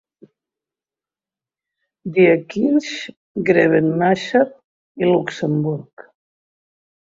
Diekirch, Grevenmacher i Luxemburg.